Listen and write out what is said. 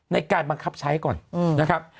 ในการบังคับใช้ก่อนนะครับ